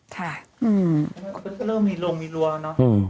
ก็เริ่มมีรวมมีรัวเนอะ